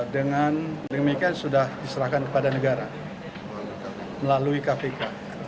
dengan demikian sudah diserahkan kepada negara melalui kpk